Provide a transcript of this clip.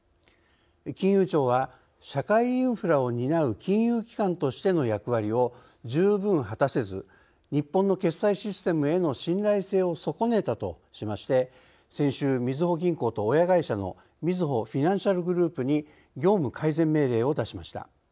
金融庁は社会インフラを担う金融機関としての役割を十分果たせず日本の決済システムへの信頼性を損ねたとしまして先週みずほ銀行と親会社のみずほフィナンシャルグループに業務改善命令を出しました。